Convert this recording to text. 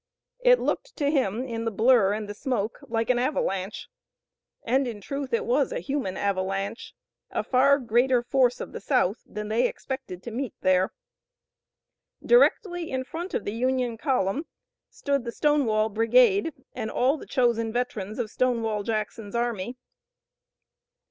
It looked to him in the blur and the smoke like an avalanche, and in truth it was a human avalanche, a far greater force of the South than they expected to meet there. Directly in front of the Union column stood the Stonewall Brigade, and all the chosen veterans of Stonewall Jackson's army.